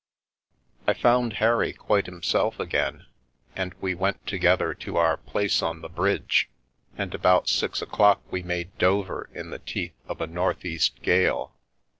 I found Harry quite himself again, and we went to gether to our place on the bridge, and about six o'clock we made Dover in the teeth of a north east gale.